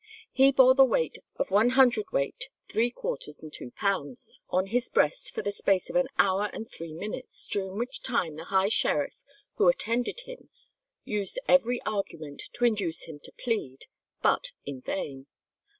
He bore the weight of 1 cwt. 3 qrs. 2 lbs. on his breast for the space of an hour and three minutes, during which time the high sheriff who attended him used every argument to induce him to plead, but in vain.